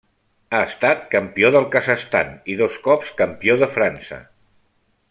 Ha estat Campió del Kazakhstan, i dos cops Campió de França.